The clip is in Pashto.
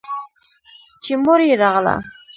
چې مور يې راغله.